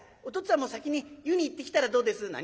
お父っつぁんも先に湯に行ってきたらどうです？」。